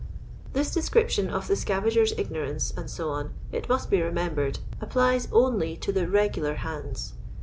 This description of the scavagcrs* ignorance, &c., it must be remembered, applies only to the "regular hands."